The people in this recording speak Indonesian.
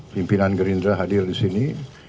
pimpinan gerindra hadir disini